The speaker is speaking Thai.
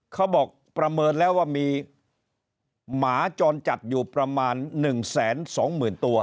เขาบอกประเมินแล้วว่ามีหมาจรจัดอยู่ประมาณหนึ่งแสนสองหมื่นตัว